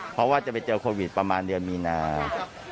เพราะว่าจะไปเจอโควิดประมาณเดือนมีนา